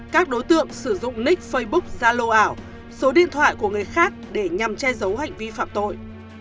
các đối tượng sử dụng nick facebook zalo ảo số điện thoại của người khác để nhằm che giấu hành vi phạm tội